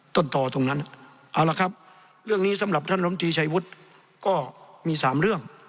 ต้นต่อตรงนั้นเอาละครับเรื่องนี้สำหรับท่านลำตีชัยวุฒิก็มี๓เรื่อง